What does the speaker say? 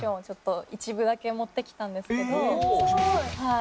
はい。